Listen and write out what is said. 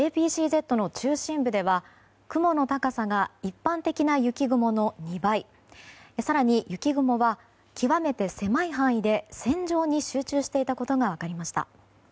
ＪＰＣＺの中心部では雲の高さが一般的な雪雲の２倍更に雪雲は極めて狭い範囲で線状に集中していたことが分かりました。